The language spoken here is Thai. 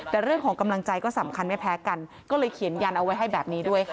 แต่เรื่องของกำลังใจก็สำคัญไม่แพ้กันก็เลยเขียนยันเอาไว้ให้แบบนี้ด้วยค่ะ